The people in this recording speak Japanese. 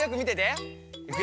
いくよ。